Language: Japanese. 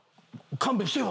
勘弁してよ！